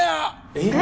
えっ？